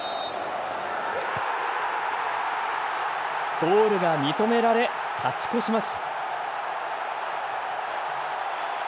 ゴールが認められ勝ち越します。